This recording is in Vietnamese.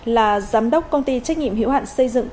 là giám đốc công ty trách nhiệm hiệu hạn xây dựng